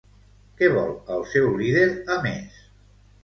Què vol el seu líder, a més?